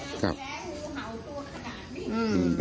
หูเห่าตัวขนาดนี้